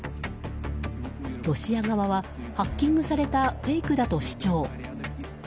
ロシア側は、ハッキングされたフェイクだと主張。